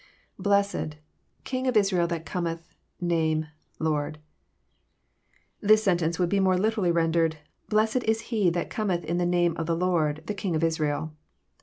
lBle88€d...King of Israel that cometh...name...Lord.'] This sentence would be more literally rendered Blessed is He that Cometh in the name of the Lord, the king of Israel."